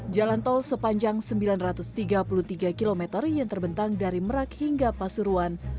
jalan tol sepanjang sembilan ratus tiga puluh tiga km yang terbentang dari merak hingga pasuruan